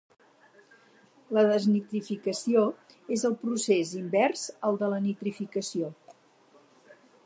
La desnitrificació és el procés invers al de la nitrificació.